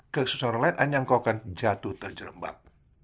kelebihan orang lain hanya engkau akan jatuh terjerembab